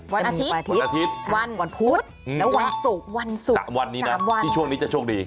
วันอาทิตย์วันอาทิตย์วันพุธแล้ววันศุกร์วันศุกร์สามวันนี้นะที่ช่วงนี้จะโชคดี